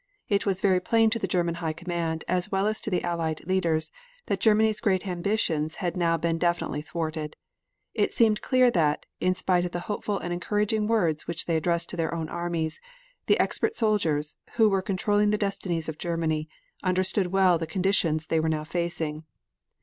It was very plain to the German High Command, as well as to the Allied leaders, that Germany's great ambitions had now been definitely thwarted. It seems clear that, in spite of the hopeful and encouraging words which they addressed to their own armies, the expert soldiers, who were controlling the destinies of Germany, understood well the conditions they were facing.